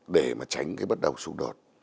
để mà tránh cái bất đồng xung đột